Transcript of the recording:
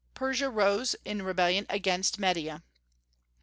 Persia arose in rebellion against Media.